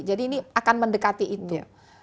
jadi ini akan mendekati itu